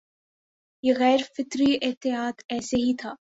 یہ غیر فطری اتحاد ایسے ہی تھا